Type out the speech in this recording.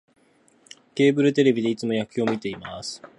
ケーブルテレビでいつも野球を観てます